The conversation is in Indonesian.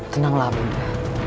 tenanglah ibu nda